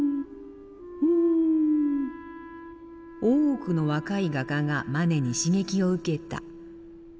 多くの若い画家がマネに刺激を受けた。